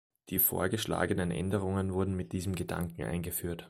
Die vorgeschlagenen Änderungen wurden mit diesem Gedanken eingeführt.